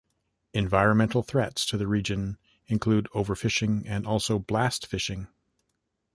Environmental threats to the region include overfishing and also blast fishing.